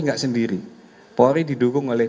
enggak sendiri polri didukung oleh